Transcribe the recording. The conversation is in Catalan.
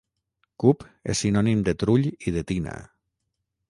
Cup és sinònim de trull i de tina.